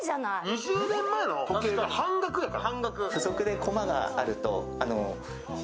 ２０年前の時計が半額やから。